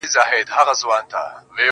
• دا ستا دسرو سترگو خمار وچاته څه وركوي.